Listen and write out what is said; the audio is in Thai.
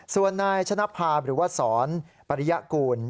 ส่วนนายชนะภาพหรือว่าสอนปริยากูล